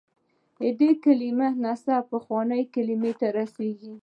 د دې کلمې نسب پخوانۍ کلمې ته رسېږي.